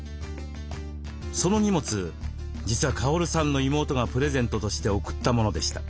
その荷物実はカオルさんの妹がプレゼントとして送ったものでした。